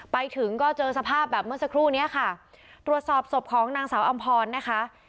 ไปถึงก็เจอสภาพแบบเมื่อสักครู่เนี้ยค่ะตรวจสอบศพของนางสาวอำพรนะคะ